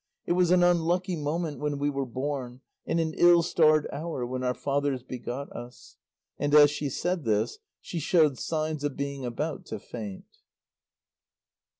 it was an unlucky moment when we were born and an ill starred hour when our fathers begot us!" And as she said this she showed signs of being about to faint.